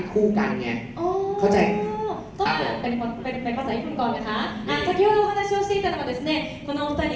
เพราะว่าต้องการให้คู่กันไง